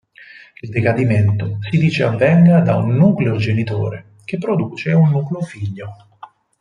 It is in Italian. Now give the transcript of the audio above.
Il decadimento si dice avvenga da un "nucleo genitore" che produce un "nucleo figlio".